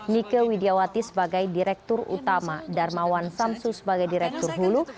nike widiawati sebagai direktur utama darmawan samsu sebagai direktur hulu